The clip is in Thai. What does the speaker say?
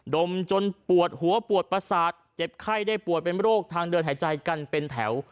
มจนปวดหัวปวดประสาทเจ็บไข้ได้ปวดเป็นโรคทางเดินหายใจกันเป็นแถว